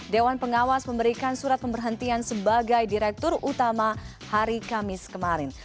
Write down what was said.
dewan pengawas memberikan surat pemberhentian sebagai direktur utama hari kamis kemarin